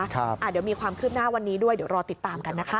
เดี๋ยวมีความคืบหน้าวันนี้ด้วยเดี๋ยวรอติดตามกันนะคะ